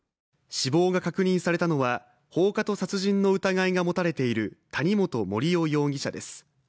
死亡が確認されたのは放火と殺人の疑いが持たれている谷本盛雄容疑者です。